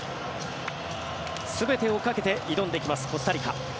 全てをかけて挑んできますコスタリカ。